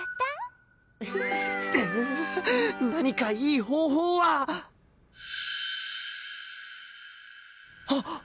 うう何かいい方法ははっ！